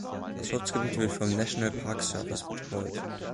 Das Schutzgebiet wird vom National Park Service betreut.